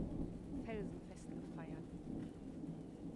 Felsenfest gefeiert.